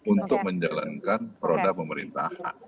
untuk menjalankan roda pemerintahan